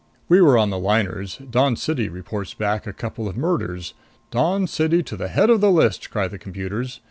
We were on the liners. Dawn City reports back a couple of murders. 'Dawn City to the head of the list!' cry the computers.